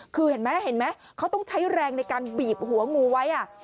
คือเห็นไหมเห็นไหมเขาต้องใช้แรงในการบีบหัวงูไว้